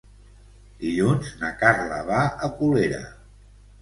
Dilluns na Carla va a Colera.